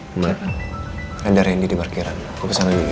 cuma rendah ren di parkiran gue kesana dulu ya